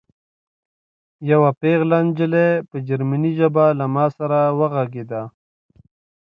یوه پېغله نجلۍ په جرمني ژبه له ما سره وغږېده